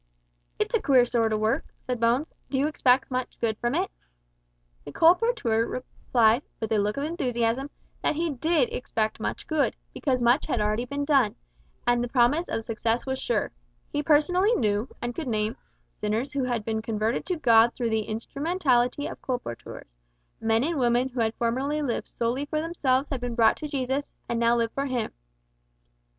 "It's a queer sort o' work," said Bones. "Do you expect much good from it?" The colporteur replied, with a look of enthusiasm, that he did expect much good, because much had already been done, and the promise of success was sure. He personally knew, and could name, sinners who had been converted to God through the instrumentality of colporteurs; men and women who had formerly lived solely for themselves had been brought to Jesus, and now lived for Him.